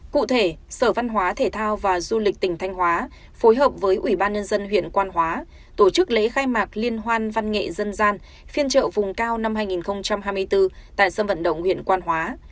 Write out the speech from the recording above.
cụ thể sở văn hóa thể thao và du lịch tỉnh thanh hóa phối hợp với ủy ban nhân dân huyện quan hóa tổ chức lễ khai mạc liên hoan văn nghệ dân gian phiên trợ vùng cao năm hai nghìn hai mươi bốn tại sân vận động huyện quan hóa